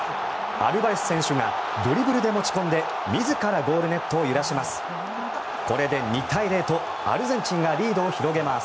アルバレス選手がドリブルで持ち込んで自らゴールネットを揺らします。